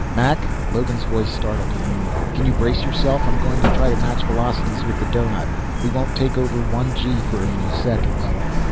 "Mac?" Logan's voice startled him. "Can you brace yourself? I'm going to try to match velocities with the doughnut. Won't take over one 'g' for a few seconds."